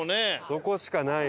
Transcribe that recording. そこしかない。